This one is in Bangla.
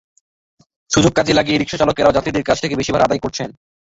সুযোগ কাজে লাগিয়ে রিকশাচালকেরাও যাত্রীদের কাছ থেকে বেশি ভাড়া আদায় করছেন।